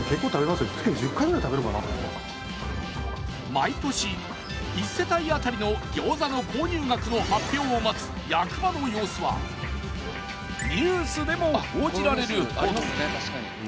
毎年１世帯当たりのギョーザの購入額の発表を待つ役場の様子はニュースでも報じられるほど。